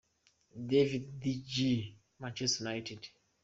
David De Gea - Manchester United.